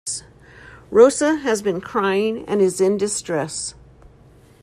Rosa has been crying and is in distress.